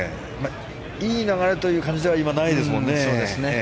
いい流れという感じではないですよね。